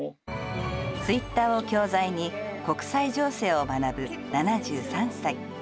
ツイッターを教材に国際情勢を学ぶ、７３歳。